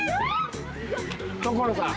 所さん。